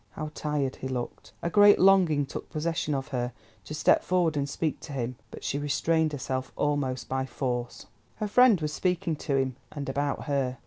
How tired he looked. A great longing took possession of her to step forward and speak to him, but she restrained herself almost by force. Her friend was speaking to him, and about her.